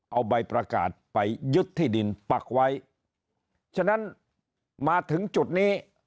เอาใบประกาศไปยึดที่ดินปักไว้ฉะนั้นมาถึงจุดนี้